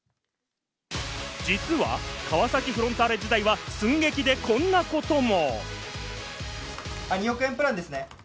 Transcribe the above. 実は川崎フロンターレ時代は寸劇でこんなことも。